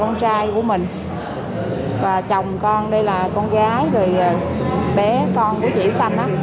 con trai của mình và chồng con đây là con gái rồi bé con của chị xanh á